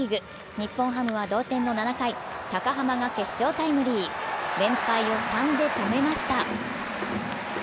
日本ハムは同点の７回、高濱が決勝タイムリー、連敗を３で止めました。